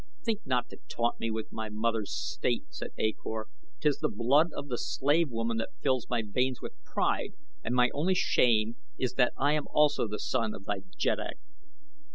"Think not to taunt me with my mother's state," said A Kor. "'Tis the blood of the slave woman that fills my veins with pride, and my only shame is that I am also the son of thy jeddak."